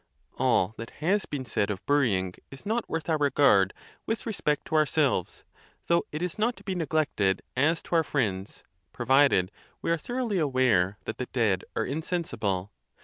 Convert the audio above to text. All that has been said of burying is not worth our regard with re spect to ourselves, though it is not to be neglected as to our friends, provided we are thoroughly aware that the dead are insensible.